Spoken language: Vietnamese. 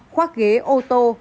khoác ghế ô tô